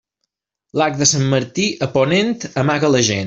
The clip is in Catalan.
L'arc de Sant Martí a ponent amaga la gent.